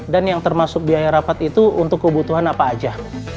dan yang termasuk biaya rapat itu untuk kebutuhan apa aja